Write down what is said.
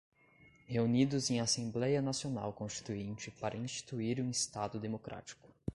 reunidos em Assembleia Nacional Constituinte para instituir um Estado Democrático